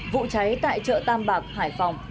vụ cháy tại chợ tam bạc hải phòng